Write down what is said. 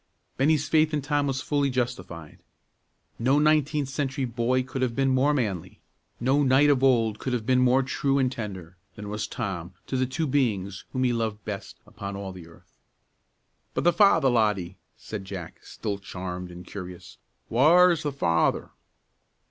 Bennie's faith in Tom was fully justified. No nineteenth century boy could have been more manly, no knight of old could have been more true and tender, than was Tom to the two beings whom he loved best upon all the earth. "But the father, laddie," said Jack, still charmed and curious; "whaur's the father?"